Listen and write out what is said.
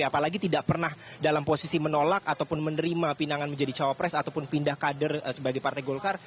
apalagi tidak pernah dalam posisi menolak ataupun menerima pinangan menjadi cawapres ataupun pindah kader sebagai partai golkar